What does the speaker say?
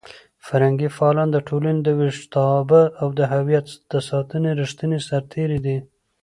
فرهنګي فعالان د ټولنې د ویښتابه او د هویت د ساتنې ریښتیني سرتېري دي.